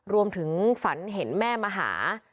รวมถึงฝันเห็นแม่มาหา